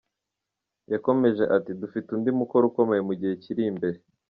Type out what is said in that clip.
Yakomeje ati “Dufite undi mukoro ukomeye mu gihe kiri imbere.